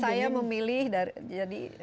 saya memilih dari